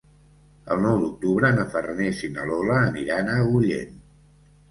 El nou d'octubre na Farners i na Lola aniran a Agullent.